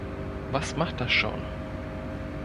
Was macht das schon?